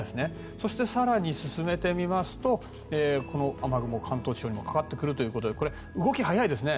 そして、更に進めてみますとこの雨雲関東地方にもかかってきて動きが速いですね。